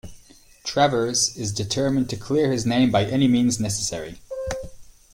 Travers is determined to clear his name by any means necessary.